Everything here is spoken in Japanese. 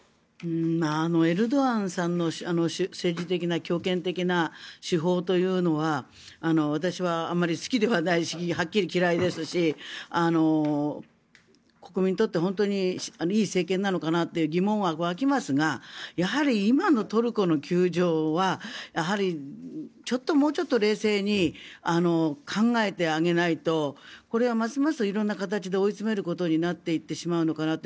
エルドアンさんの政治的な、強権的な手法というのは私はあまり好きではないしはっきり言って嫌いですし国民にとって本当にいい政権なのかなと疑問は湧きますがやはり、今のトルコの窮状はもうちょっと冷静に考えてあげないとこれはますます色んな形で追い詰める形になってしまうのかなと。